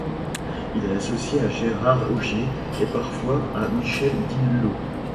Il est associé à Gérard Augier et parfois à Michel Di Lullo.